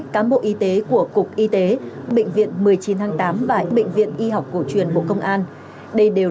cám bộ y tế của cục y tế bệnh viện một mươi chín tháng tám và bệnh viện y học cổ truyền bộ công an đây đều